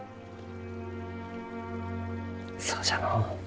そうじゃのう。